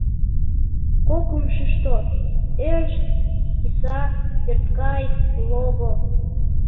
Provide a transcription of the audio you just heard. Кокымшышто — ӧрш, киса, пӧрткайык, лого.